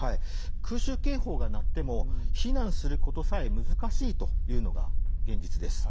空襲警報が鳴っても避難することさえ難しいというのが現実です。